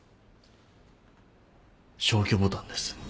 消去ボタンです。